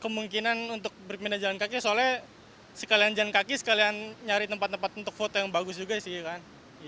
menyari tempat tempat untuk foto yang bagus juga sih kan